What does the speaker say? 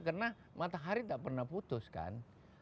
karena matahari tak pernah putus kan